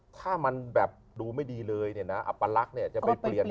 ถ้ามันแบบดูไม่ดีเลยนี่นะอัปลั๊กจะไปเปลี่ยน